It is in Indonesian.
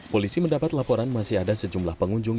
polisi mendapat laporan masih ada sejumlah pengunjung